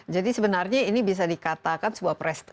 jadi sebenarnya ini bisa dikatakan sebuah prestasi